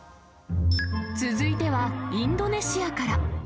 続いてはインドネシアから。